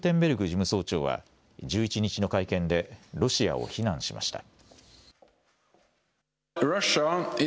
事務総長は１１日の会見で、ロシアを非難しました。